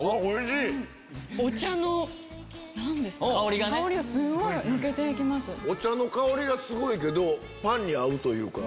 お茶の香りがすごいけどパンに合うというか。